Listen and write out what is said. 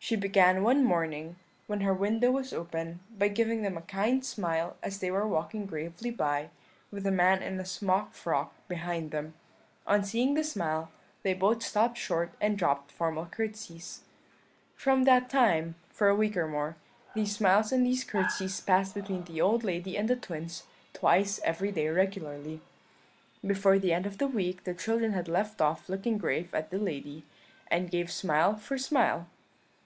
"She began one morning, when her window was open, by giving them a kind smile as they were walking gravely by, with a man in a smock frock behind them. On seeing this smile they both stopped short and dropped formal curtseys. "From that time, for a week or more, these smiles and these curtseys passed between the old lady and the twins twice every day regularly. Before the end of the week the children had left off looking grave at the lady, and gave smile for smile.